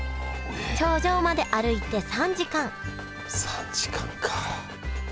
頂上まで歩いて３時間３時間か。